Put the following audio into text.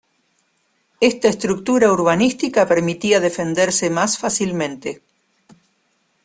Esta estructura urbanística permitía defenderse más fácilmente.